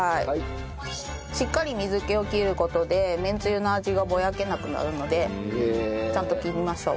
しっかり水気を切る事でめんつゆの味がぼやけなくなるのでちゃんと切りましょう。